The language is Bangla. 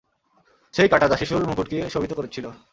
সেই কাঁটা যা যীশুর মুকুটকে শোভিত করেছিল।